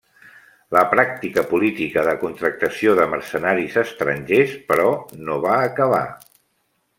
La pràctica política de contractació de mercenaris estrangers, però, no va acabar.